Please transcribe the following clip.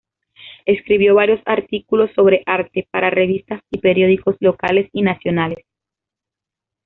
Escribió varios artículos sobre arte para revistas y periódicos locales y nacionales.